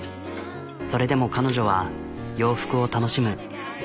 それでも彼女は洋服を楽しむ。